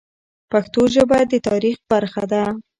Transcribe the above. پښتو ژبه د تاریخ برخه ده.